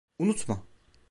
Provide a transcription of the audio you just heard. Unutma.